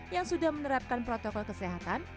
yang sudah menerapkan protokol kesehatan